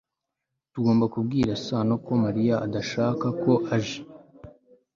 tugomba kubwira sano ko mariya adashaka ko aje